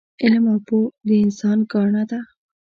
علم او پوه د انسان ګاڼه ده